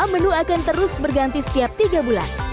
menu akan terus berganti setiap tiga bulan